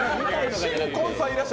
「新婚さんいらっしゃい！」